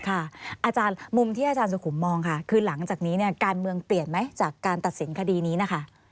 อาจารย์มุมที่อาจารย์สุขุมมองค่ะคือหลังจากนี้เนี่ยการเมืองเปลี่ยนไหมจากการตัดสินคดีนี้นะคะ